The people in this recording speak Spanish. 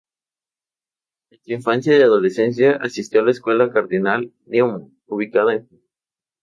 En su infancia y adolescencia asistió a la escuela Cardinal Newman, ubicada en Hove.